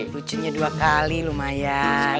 lucunya dua kali lumayan